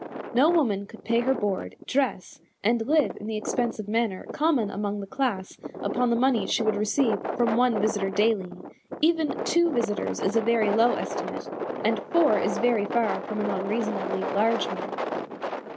No woman could pay her board, dress, and live in the expensive manner common among the class upon the money she would receive from one visitor daily; even two visitors is a very low estimate, and four is very far from an unreasonably large one.